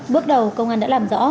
bước đầu công an đã làm rõ